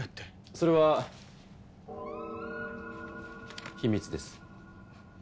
それは秘密です。